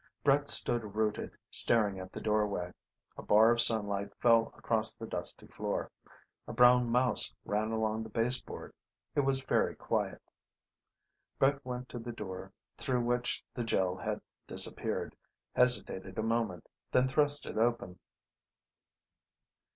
Brett stood rooted, staring at the doorway. A bar of sunlight fell across the dusty floor. A brown mouse ran along the baseboard. It was very quiet. Brett went to the door through which the Gel had disappeared, hesitated a moment, then thrust it open.